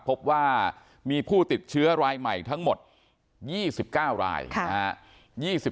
พบว่ามีผู้ติดเชื้อรายใหม่ทั้งหมด๒๙รายนะครับ